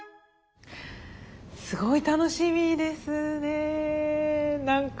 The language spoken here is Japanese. すごい楽しみですね何か。